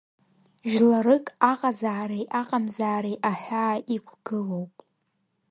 Жәларык аҟазаареи-аҟамзаареи аҳәаа иқәгылоуп.